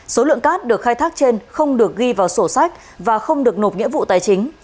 số lượng cát được khai thác trên không được ghi vào sổ sách và không được nộp nghĩa vụ tài chính